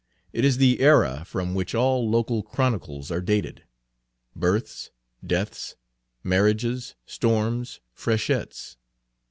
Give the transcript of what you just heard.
It is the era from which all local chronicles are dated, births, deaths, marriages, storms, freshets.